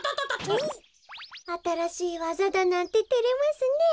あたらしいわざだなんててれますねえ。